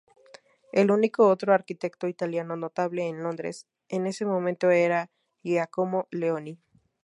El único otro arquitecto italiano notable en Londres en ese momento era Giacomo Leoni.